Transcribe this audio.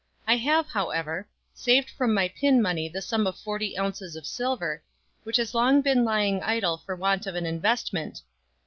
I have, however, saved from my pin money the sum of forty ounces of silver, which has long been lying idle for want of an investment.